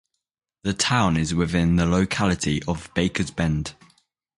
The town is within the locality of Bakers Bend.